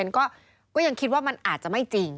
ก็ยังคิดว่ามันอาจจะไม่จริง